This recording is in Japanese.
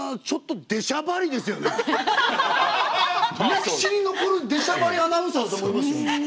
歴史に残る出しゃばりアナウンサーだと思いますよ。